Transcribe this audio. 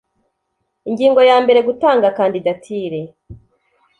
ingingo ya mbere gutanga kandidatire